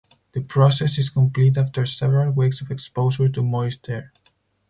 The process is complete after several weeks of exposure to moist air.